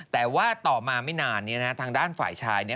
แต่ว่าต่อมาไม่นานทางด้านฝ่ายชายเนี่ย